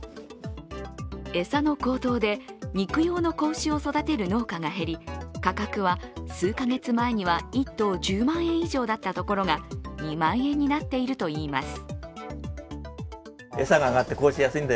餌の高騰で肉用の子牛を育てる農家が減り、価格は数か月前には１頭１０万円以上だったところが２万円になっているといいます。